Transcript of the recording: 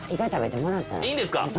いいんですか？